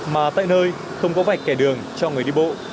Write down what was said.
mà tại nơi không có vạch kẻ đường cho người đi bộ